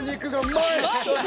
まい！